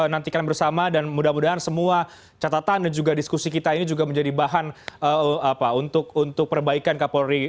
nantikan bersama dan mudah mudahan semua catatan dan juga diskusi kita ini juga menjadi bahan untuk perbaikan kapolri